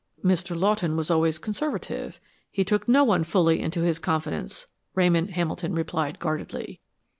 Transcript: "Mr. Lawton was always conservative. He took no one fully into his confidence," Ramon Hamilton replied guardedly.